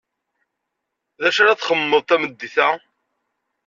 D acu ara txemeḍ tameddit-a?